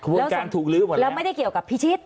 วงการถูกลื้อหมดแล้วไม่ได้เกี่ยวกับพิชิต